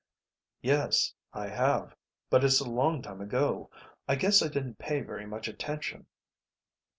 "Yes, I have. But it's a long time ago. I guess I didn't pay very much attention."